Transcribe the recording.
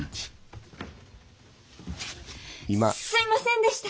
すいませんでした！